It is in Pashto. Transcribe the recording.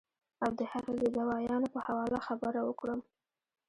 او د هغې د دوايانو پۀ حواله خبره اوکړم